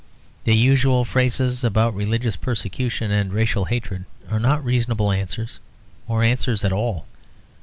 The usual phrases about religious persecution and racial hatred are not reasonable answers, or answers at all.